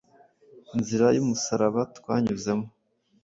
Inzira y’umusaraba twanyuzemo